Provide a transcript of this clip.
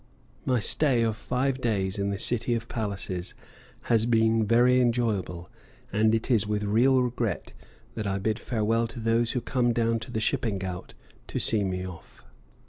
My stay of five days in the City of Palaces has been very enjoyable, and it is with real regret that I bid farewell to those who come down to the shipping ghaut to see me off.